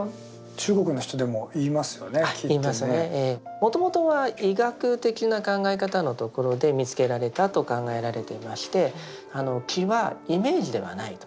もともとは医学的な考え方のところで見つけられたと考えられていまして気はイメージではないと。